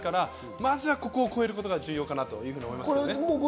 まずはここを超えることが重要だと思います。